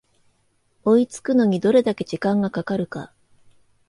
追いつくのにどれだけ時間がかかるか